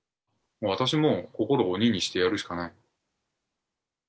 私も心を鬼にしてやるしかないと。